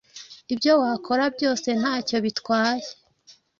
Ibyo wakora byose ntacyo bitwaye;